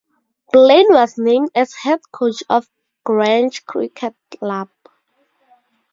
Blain was named as head coach of Grange Cricket Club.